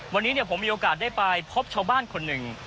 วันนี้ผมมีโอกาสได้ไปพบชาวบ้านคนหนึ่ง